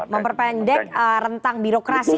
memperpendek rentang birokrasi